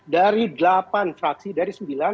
dari delapan fraksi dari sembilan